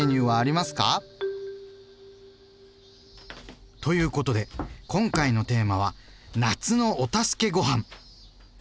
なになに？ということで今回のテーマは「夏のお助けごはん」。